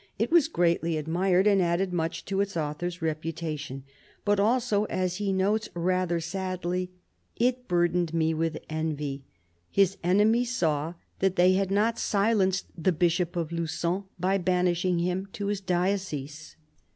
It was greatly admired, and added much to its author's reputation ; but also, as he notes rather sadly, " it burdened me with envy." His enemies saw that they had not silenced the Bishop of Lugon by banishing him to his diocese.